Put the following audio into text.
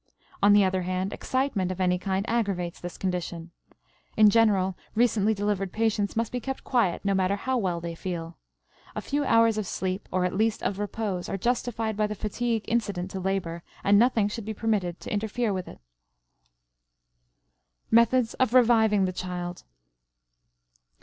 On the other hand, excitement of any kind aggravates this condition. In general, recently delivered patients must be kept quiet no matter how well they feel. A few hours of sleep, or, at least, of repose, are justified by the fatigue incident to labor, and nothing should be permitted to interfere with it. METHODS OF REVIVING THE CHILD.